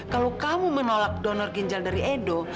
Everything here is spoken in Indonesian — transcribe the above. kalau kamu menolak donor ginjal dari edo